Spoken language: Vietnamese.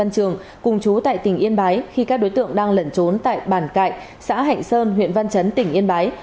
trường cùng chú tại tỉnh yên bái khi các đối tượng đang lẩn trốn tại bản cạnh xã hạnh sơn huyện văn chấn tỉnh yên bái